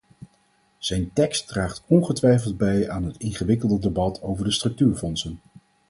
Zijn tekst draagt ongetwijfeld bij aan het ingewikkelde debat over de structuurfondsen.